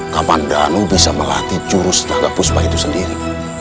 kapan danu bisa melatih jurus tenaga puspa itu sendiri